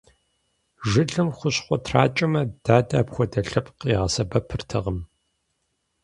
Жылэм хущхъуэ тракӀэмэ, дадэ апхуэдэ лъэпкъ къигъэсэбэпыртэкъым.